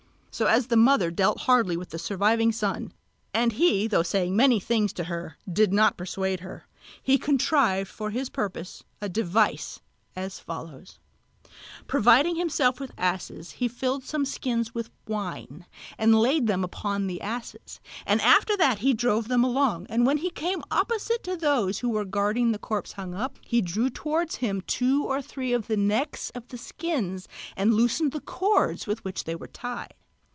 So as the mother dealt hardly with the surviving son, and he though saying many things to her did not persuade her, he contrived for his purpose a device as follows: Providing himself with asses he filled some skins with wine and laid them upon the asses, and after that he drove them along: and when he came opposite to those who were guarding the corpse hung up, he drew towards him two or three of the necks of the skins and loosened the cords with which they were tied.